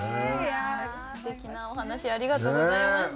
素敵なお話ありがとうございました。